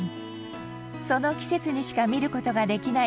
その季節にしか見る事ができない